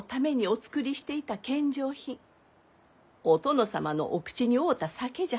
お殿様のお口に合うた酒じゃ。